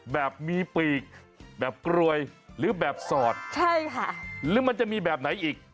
แบบมีปีกแบบกรวยหรือแบบสอดใช่ค่ะหรือมันจะมีแบบไหนอีก